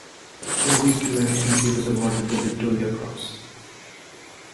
For these two actions he was awarded the Victoria Cross.